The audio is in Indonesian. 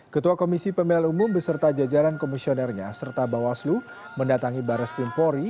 ketua komisi pemilai umum beserta jajaran komisionernya serta bawaslu mendatangi barat skrimpori